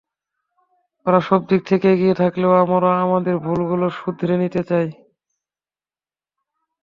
ওরা সবদিক থেকে এগিয়ে থাকলেও আমরা আমাদের ভুলগুলো শুধরে নিতে চাই।